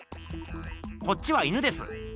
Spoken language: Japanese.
こっちは犬です。